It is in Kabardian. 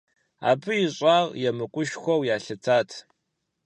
Абы ищӀар емыкӀушхуэу ялъытат.